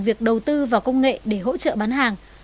việc đầu tư vào công nghệ để hỗ trợ bán hàng